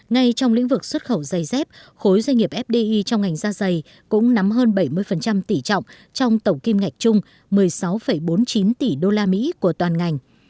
ngay trong lĩnh vực xuất khẩu dây dép khối doanh nghiệp fdi trong ngành da dày cũng nắm hơn bảy mươi tỷ trọng trong tổng kim ngạch chung một mươi sáu bốn mươi chín tỷ usd của toàn ngành